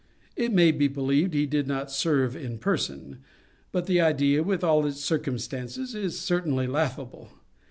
It may be believed he did not serve in person; but the idea, with all its circumstances, is certainly laughable.